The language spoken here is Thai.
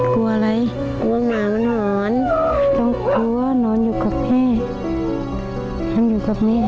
ต้องกลัวนอนอยู่กับแม่